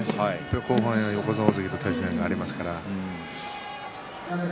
後半、横綱大関と対戦がありますから。